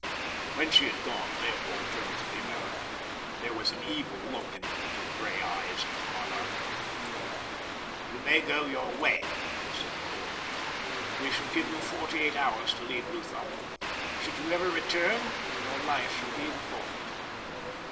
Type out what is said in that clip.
When she had gone Leopold turned to the American. There was an evil look in the little gray eyes of the monarch. "You may go your way," he said coldly. "We shall give you forty eight hours to leave Lutha. Should you ever return your life shall be the forfeit."